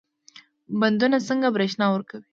بندونه څنګه برښنا ورکوي؟